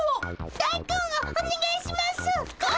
大根をおねがいしますっ！